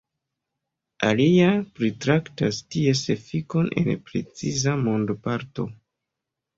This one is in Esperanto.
Aliaj pritraktas ties efikon en preciza mondoparto.